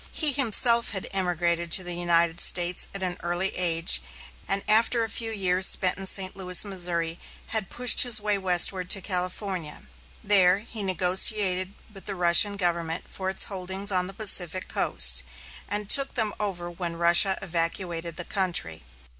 He himself had emigrated to the United States at an early age, and after a few years spent in St. Louis, Missouri, had pushed his way westward to California. There he negotiated with the Russian Government for its holdings on the Pacific coast, and took them over when Russia evacuated the country.